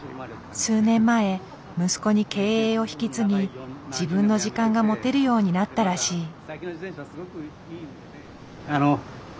数年前息子に経営を引き継ぎ自分の時間が持てるようになったらしい。